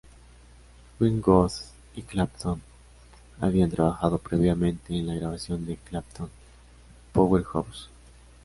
Winwood y Clapton habían trabajado previamente en la grabación de Clapton "Powerhouse".